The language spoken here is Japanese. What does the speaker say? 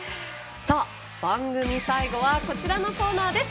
番組最後はこちらのコーナーです。